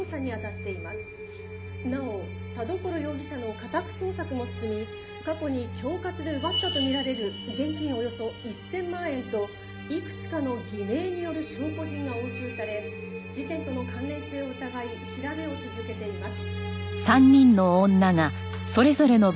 「なお田所容疑者の家宅捜索も進み過去に恐喝で奪ったとみられる現金およそ１０００万円といくつかの偽名による証拠品が押収され事件との関連性を疑い調べを続けています」